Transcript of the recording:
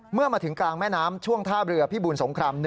เมื่อมาถึงกลางแม่น้ำช่วงท่าเรือพิบูลสงคราม๑